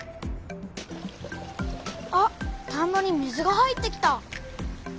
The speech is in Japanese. あ田んぼに水が入ってきた。